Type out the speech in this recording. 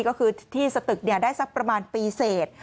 ก็คือที่สตึกได้สักประมาณปีเสร็จ